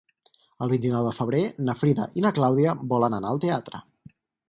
El vint-i-nou de febrer na Frida i na Clàudia volen anar al teatre.